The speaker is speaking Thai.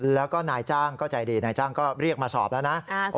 แล้วก็นายจ้างก็ใจดีนายจ้างก็เรียกมาสอบแล้วนะ